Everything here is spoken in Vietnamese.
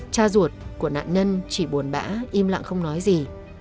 cha ruột của nạn nhân chỉ buồn bã im lặng không nói gì